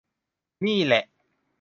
นี่แหละ